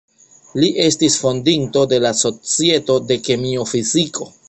Li estas fondinto de la Societo de kemio-fiziko.